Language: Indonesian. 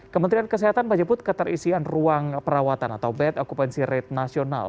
kementerian kesehatan menyebut keterisian ruang perawatan atau bed occupancy rate nasional